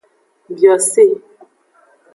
Biose.